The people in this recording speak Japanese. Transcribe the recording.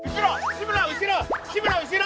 志村後ろ